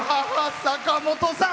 坂本さん！